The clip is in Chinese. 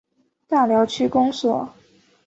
大寮区公所